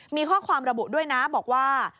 มีข้อความระบุด้วยนะบอกว่า